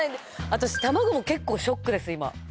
私卵も結構ショックです今。